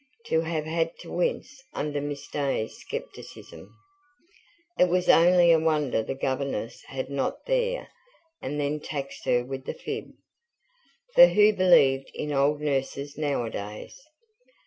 To have had to wince under Miss Day's scepticism! It was only a wonder the governess had not there and then taxed her with the fib. For who believed in old nurses nowadays?